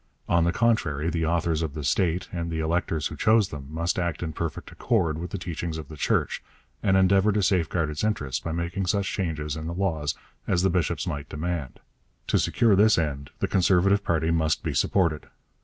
On the contrary, the authorities of the state, and the electors who chose them, must act in perfect accord with the teachings of the Church, and endeavour to safeguard its interests by making such changes in the laws as the bishops might demand. To secure this end the Conservative party must be supported.